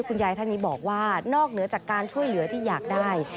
คุณยายท่านนี้บอกว่านอกเหนือจากการช่วยเหลือที่อยากได้